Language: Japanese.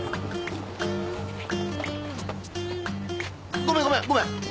ごめんごめんごめん！